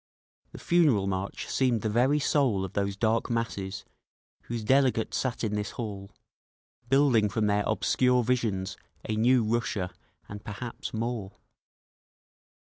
The Funeral March seemed the very soul of those dark masses whose delegates sat in this hall, building from their obscure visions a new Russia—and perhaps more.